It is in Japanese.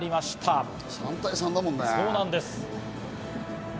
３対３だもんね。